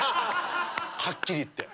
はっきり言って。